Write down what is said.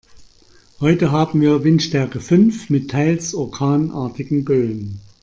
Heute haben wir Windstärke fünf mit teils orkanartigen Böen.